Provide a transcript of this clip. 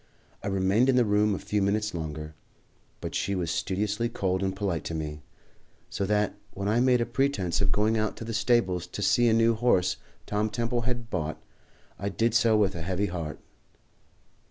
I remained in the room a few minutes longer, but she was studiously cold and polite to me, so that when I made a pretence of going out to the stables to see a new horse Tom Temple had bought, I did so with a heavy heart.